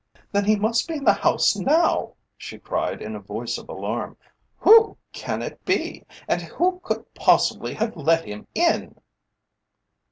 "Then he must be in the house now," she cried in a voice of alarm. "Who can it be, and who could possibly have let him in?"